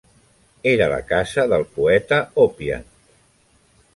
Era la casa del poeta Oppian.